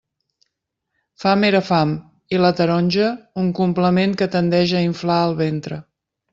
Fam era fam, i la taronja, un complement que tendeix a inflar el ventre.